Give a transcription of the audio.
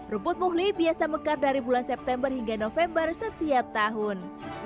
rumput muhli biasa mekar dari bulan september hingga november setiap tahun